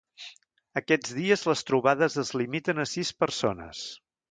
Aquests dies les trobades es limiten a sis persones.